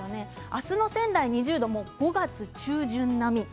明日の仙台２０度、５月中旬並み。